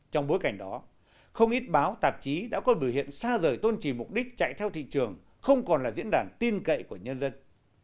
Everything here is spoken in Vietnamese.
trong bối cảnh đó không ít báo tạp chí đã có biểu hiện xa rời tôn trì mục đích chạy theo thị trường không còn là diễn đàn tin cậy của nhân dân